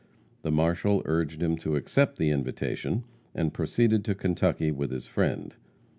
The marshal urged him to accept the invitation, and proceed to Kentucky with his friend.